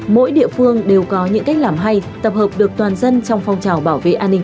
mỗi địa phương đều có những cách làm hay tập hợp được toàn dân trong phong trào bảo vệ an ninh